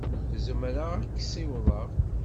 Zemreɣ ad k-ssiwḍeɣ.